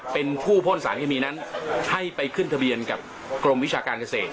เป็นผู้พ่นสารเคมีนั้นให้ไปขึ้นทะเบียนกับกรมวิชาการเกษตร